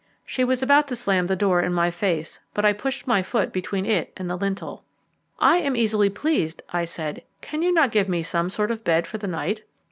She was about to slam the door in my face, but I pushed my foot between it and the lintel. "I am easily pleased," I said; "can you not give me some sort of bed for the night?"